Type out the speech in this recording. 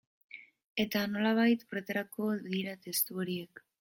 Eta, nolabait, horretarako dira testu horiek.